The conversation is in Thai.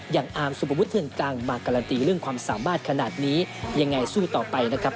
ทักษะที่ดีและก็กล้าเล่นมากกว่าเดิมครับ